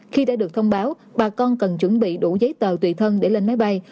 khi đã được thông báo bà con cần chuẩn bị đủ giấy tờ tùy thân để lên máy bay